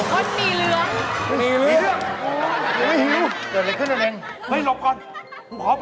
กินเย็นแก้ม